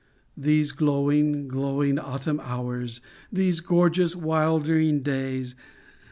These glowing, glowing autumn hours, These gorgeous, wilder ing days